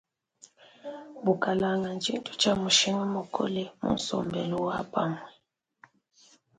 Bukalanga tshintu tshia mushinga mukole mu sombelu wa pamue.